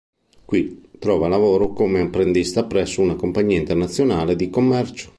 Qui trova lavoro come apprendista presso una compagnia internazionale di commercio.